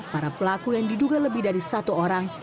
para pelaku yang diduga lebih dari satu orang